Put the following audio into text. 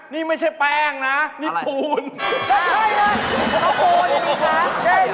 นี่ไม่ใช่แป้งนะนี่ปูนใช่นะ